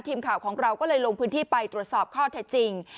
ทีมข่าวของเราก็เลยลงพื้นที่ไปตรวจสอบข้อเท็จจริง